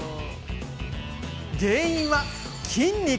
原因は筋肉。